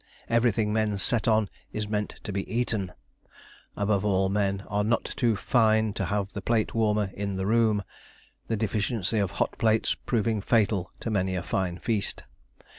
Everything men set on is meant to be eaten. Above all, men are not too fine to have the plate warmer in the room, the deficiency of hot plates proving fatal to many a fine feast.